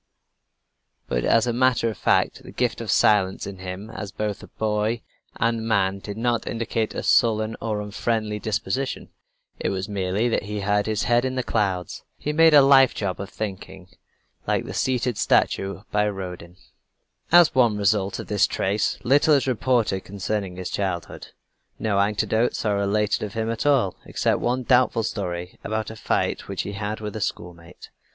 But as a matter of fact the gift of silence in him as both boy and man did not indicate a sullen or unfriendly disposition. It was merely that he had his head in the clouds. He made a life job of thinking like the seated statue by Rodin. As one result of this trait, little is reported concerning his childhood. No anecdotes are related of him at all, except one doubtful story about a fight which he had with a schoolmate.